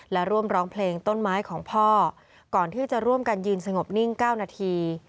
และร่วมร้องเพลงต้นไม้ของพ่อก่อนที่จะร่วมกันยืนสงบนิ่ง๙นาที